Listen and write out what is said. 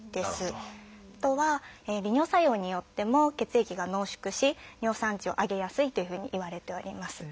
あとは利尿作用によっても血液が濃縮し尿酸値を上げやすいというふうにいわれております。